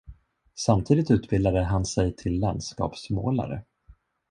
Samtidigt utbildade han sig till landskapsmålare.